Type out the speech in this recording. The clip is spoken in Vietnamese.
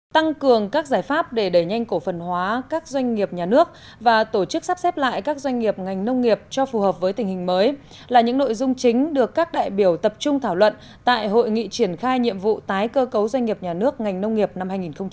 tăng cường các giải pháp để đẩy nhanh cổ phần hóa các doanh nghiệp nhà nước và tổ chức sắp xếp lại các doanh nghiệp ngành nông nghiệp cho phù hợp với tình hình mới là những nội dung chính được các đại biểu tập trung thảo luận tại hội nghị triển khai nhiệm vụ tái cơ cấu doanh nghiệp nhà nước ngành nông nghiệp năm hai nghìn một mươi chín